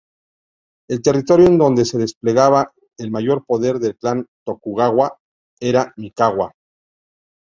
El territorio en donde se desplegaba el mayor poder del clan Tokugawa era Mikawa.